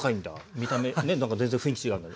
見た目ねなんか全然雰囲気違うのに。